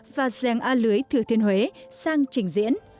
và rèn a lưới thừa thiên huế sang trình diễn